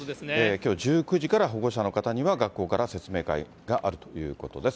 きょう１９時から保護者の方には、学校から説明会があるということです。